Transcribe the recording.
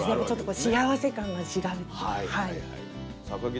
ちょっとこう幸せ感が違うっていう。